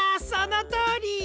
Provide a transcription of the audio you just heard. そのとおり！